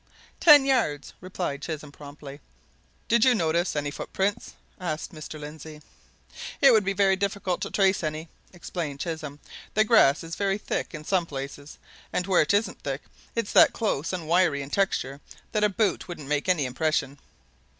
"Ten yards," replied Chisholm promptly. "Did you notice any footprints?" asked Mr. Lindsey. "It would be difficult to trace any," explained Chisholm. "The grass is very thick in some places, and where it isn't thick it's that close and wiry in texture that a boot wouldn't make any impression."